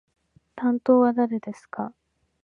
担当は誰ですか？